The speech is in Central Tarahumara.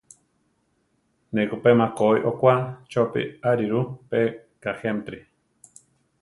Ne ko pe makói okwá chopí ariru, pe kajéamtiri.